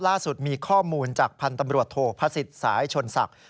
ล่าสุดมีข้อมูลจากพันธ์ตำรวจโทพระศิษย์สายชนศักดิ์